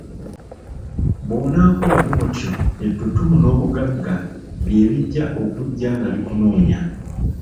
Bw'onaakola bwotyo ettutumu n'obugagga bye bijja okujja nga bikunoonya.